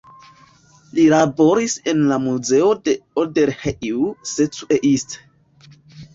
Li laboris en la Muzeo de Odorheiu Secuiesc.